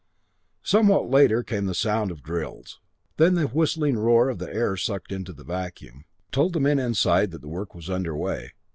Somewhat later came the sound of drills, then the whistling roar as the air sucked into the vacuum, told the men inside that the work was under way.